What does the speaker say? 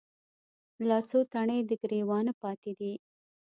لا څــــو تڼۍ د ګــــــرېوانه پاتـې دي